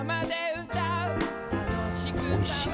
おいしい。